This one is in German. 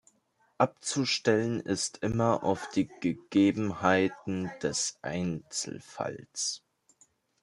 Abzustellen ist immer auf die Gegebenheiten des Einzelfalls.